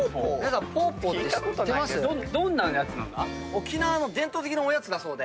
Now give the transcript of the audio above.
沖縄の伝統的なおやつだそうで。